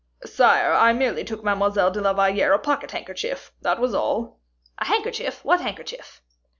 "Sire, I merely took Mademoiselle de la Valliere a pocket handkerchief, that was all." "A handkerchief, what handkerchief?"